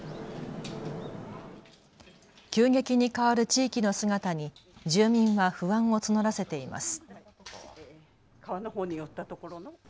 急激に変わる地域の姿に住民は不安を募らせています。